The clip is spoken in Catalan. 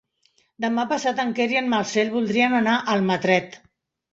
Demà passat en Quer i en Marcel voldrien anar a Almatret.